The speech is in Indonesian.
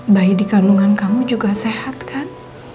bayi di kandungan kamu juga sehat kan